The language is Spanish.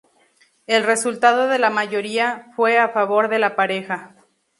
El resultado de la mayoría, fue a favor de la pareja.